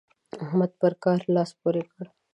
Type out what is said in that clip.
احمد پر کار لاس پورې کړ.